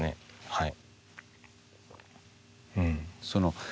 はい。